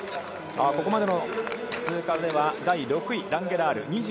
ここまでの通過では第６位、ランゲラール。